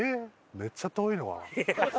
めっちゃ遠いのかな？